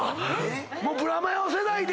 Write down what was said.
もうブラマヨ世代で！